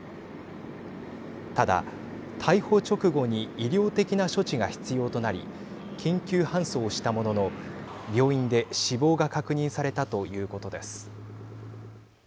ただ、逮捕直後に医療的な処置が必要となり緊急搬送したものの病院で死亡が確認されたということです。